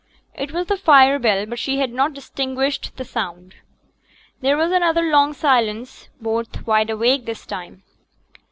It was the fire bell, but she had not distinguished the sound. There was another long silence; both wide awake this time.